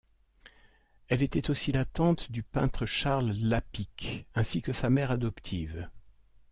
Elle était aussi la tante du peintre Charles Lapicque, ainsi que sa mère adoptive.